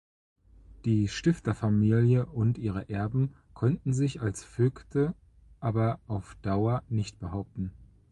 Die Stifterfamilie und ihre Erben konnten sich als Vögte aber auf Dauer nicht behaupten.